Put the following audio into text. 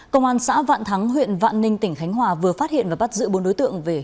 công an xã vạn thắng huyện vạn ninh tỉnh khánh hòa vừa phát hiện và bắt giữ bốn đối tượng về